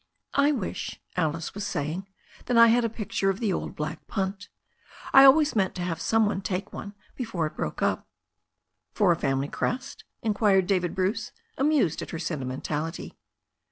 "I wish," Alice was saying, "that I had a picture of the old black punt I always meant to have some one take one before it broke up." "For a family crest?" inquired David Bruce, amused at her sentimentality.